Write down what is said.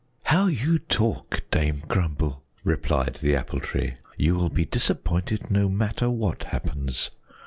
"How you talk, Dame Grumble!" replied the Apple Tree. "You will be disappointed no matter what happens!